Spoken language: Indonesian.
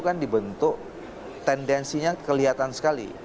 kan dibentuk tendensinya kelihatan sekali